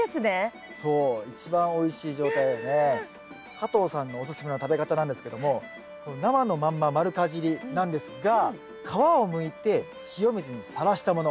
加藤さんのおすすめの食べ方なんですけども生のまんま丸かじりなんですが皮をむいて塩水にさらしたもの